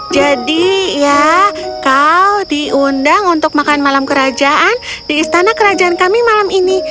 jadi ya kau diundang untuk makan malam kerajaan di istana kerajaan kami malam ini